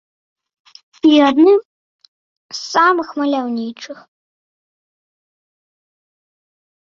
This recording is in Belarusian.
І адным з самых маляўнічых.